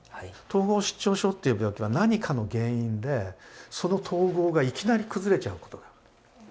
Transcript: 統合失調症っていう病気は何かの原因でその統合がいきなり崩れちゃうことがある。